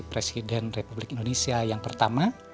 presiden republik indonesia yang pertama